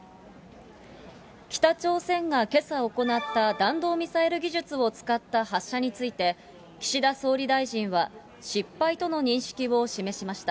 北朝鮮がけさ行った弾道ミサイル技術を使った発射について、岸田総理大臣は、失敗との認識を示しました。